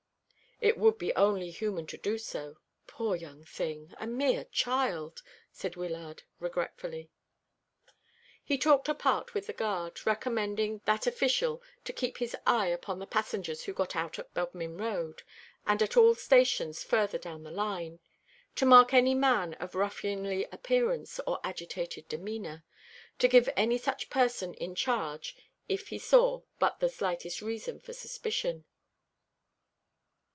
"It would be only human to do so. Poor young thing a mere child!" said Wyllard regretfully. He talked apart with the guard, recommending that official to keep his eye upon the passengers who got out at Bodmin Road, and at all stations further down the line; to mark any man of ruffianly appearance or agitated demeanour; to give any such person in charge if he saw but the slightest reason for suspicion.